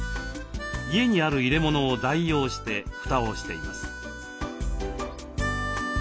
家にある入れ物を代用して蓋をしています。